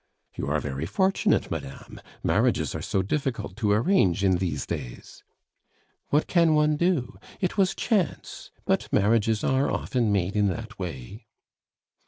"You are very fortunate, madame; marriages are so difficult to arrange in these days." "What can one do? It was chance; but marriages are often made in that way."